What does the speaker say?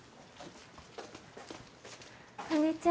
こんにちは。